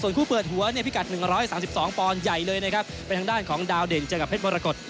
ส่วนคู่เปิดหัวเนี่ยพิกัดหนึ่งร้อยสามสิบสองปอนด์ใหญ่เลยนะครับเป็นทางด้านของดาวเด่นเจ้ากับเพชรมรกฎ